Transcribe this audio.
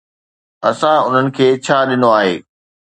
اسان انهن کي ڇا ڏنو آهي؟